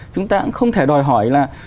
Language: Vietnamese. chúng ta cũng không thể đòi hỏi là